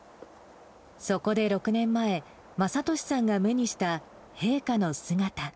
そこで６年前、正利さんが目にした陛下の姿。